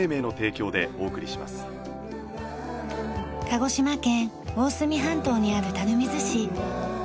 鹿児島県大隅半島にある垂水市。